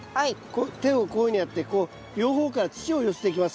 手をこういうふうにやって両方から土を寄せていきます